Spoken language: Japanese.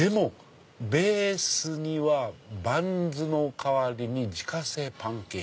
「ベースにはバンズの代わりに自家製パンケーキ。